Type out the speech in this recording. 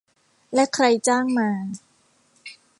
และใครจ้างมา